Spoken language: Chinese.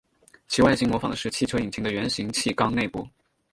其外形模仿的是汽车引擎的圆形汽缸内部。